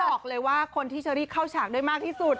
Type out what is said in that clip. บอกเลยว่าคนที่เชอรี่เข้าฉากได้มากที่สุด